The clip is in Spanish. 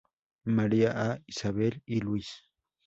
María A., Isabel y Luis.